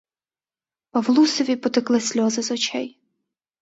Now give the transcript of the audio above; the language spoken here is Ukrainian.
Павлусеві потекли сльози з очей.